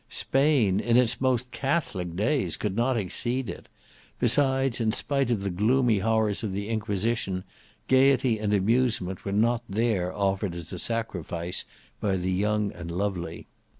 Spain, in its most catholic days, could not exceed it: besides, in spite of the gloomy horrors of the Inquisition, gaiety and amusement were not there offered as a sacrifice by the young and lovely.